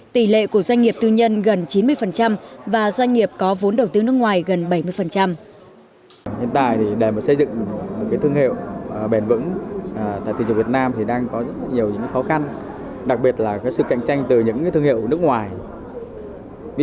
tỷ lệ của doanh nghiệp tư nhân gần chín mươi và doanh nghiệp có vốn đầu tư nước ngoài